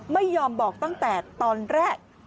ไม่ยอมบอกตั้งแต่ตอนแรก